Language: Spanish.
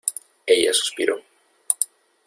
ella suspiró: